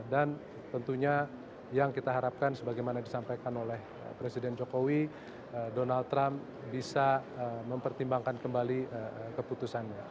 dan tentunya yang kita harapkan sebagaimana disampaikan oleh presiden jokowi donald trump bisa mempertimbangkan kembali keputusannya